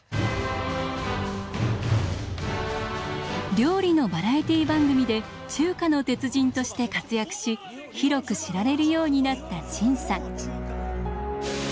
料理のバラエティー番組で「中華の鉄人」として活躍し広く知られるようになった陳さん。